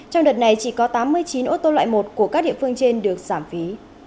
trong đợt này chỉ có tám mươi chín ô tô loại một của các địa phương trên được giảm phí